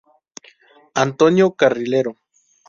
Antonio Carrilero